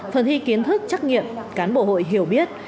phần thi kiến thức chắc nghiện cán bộ hội hiểu biết